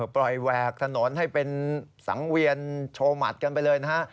แหวกถนนให้เป็นสังเวียนโชว์หมัดกันไปเลยนะฮะ